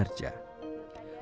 meski menghadapi kemurahan